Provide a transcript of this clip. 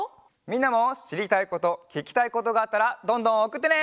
みんなもしりたいことききたいことがあったらどんどんおくってね。